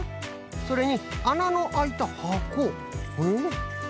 それにあなのあいたはこえっ？